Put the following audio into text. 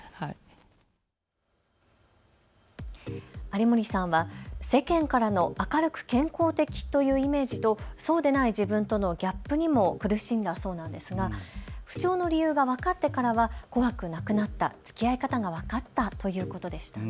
有森さんは世間からの明るく健康的というイメージとそうでない自分とのギャップにも苦しんだそうなんですが不調の理由が分かってからは怖くなくなった、つきあい方が分かったということでした。